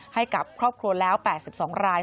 ให้กับครอบครัวแล้ว๘๒ราย